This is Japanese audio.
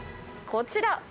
こちら。